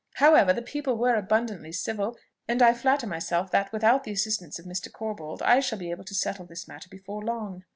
However the people were abundantly civil, and I flatter myself that, without the assistance of Mr. Corbold, I shall be able to settle this matter before long."